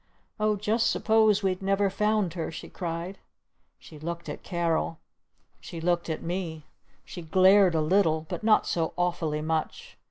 "Oh, just suppose we'd never found her?" she cried. She looked at Carol. She looked at me. She glared a little. But not so awfully much.